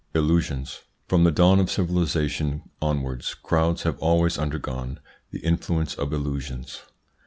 ILLUSIONS From the dawn of civilisation onwards crowds have always undergone the influence of illusions.